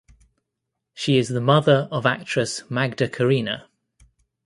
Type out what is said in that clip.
She is the mother of actress Magda Karina.